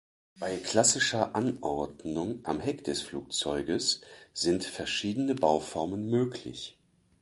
Bei klassischer Anordnung am Heck des Flugzeuges sind verschiedene Bauformen möglich.